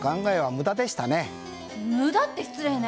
無駄って失礼ね！